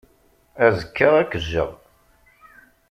Azekka, ad k-jjeɣ.